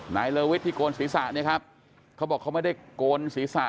เลอวิทที่โกนศีรษะเนี่ยครับเขาบอกเขาไม่ได้โกนศีรษะ